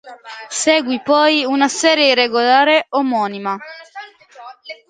Seguì poi una serie regolare omonima.